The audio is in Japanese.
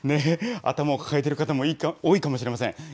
頭を抱えている方も多いかもしれません。